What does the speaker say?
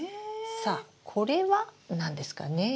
さあこれは何ですかねえ？